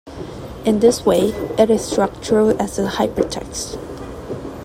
In this way, it is structured as a hypertext.